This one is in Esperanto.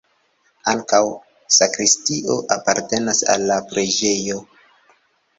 Ankaŭ sakristio apartenas al la preĝejo.